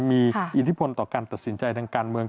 มีอิทธิพลต่อการตัดสินใจทางการเมือง